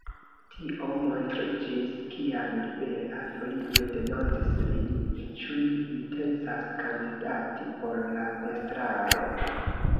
Tio montriĝis, kiam Libera Folio demandis lin, ĉu li intencas kandidati por la estraro.